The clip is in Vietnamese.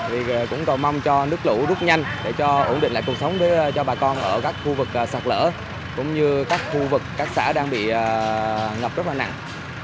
thì cũng cầu mong cho nước lũ rút nhanh để cho ổn định lại cuộc sống cho bà con ở các khu vực sạt lỡ cũng như các khu vực các xã đang bị ngập rất là nặng